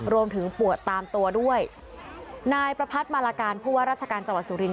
รวมถึงปวดตามตัวด้วยนายประพัทธ์มาลาการผู้ว่าราชการจังหวัดสุรินท